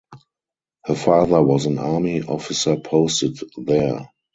Her father was an army officer posted there.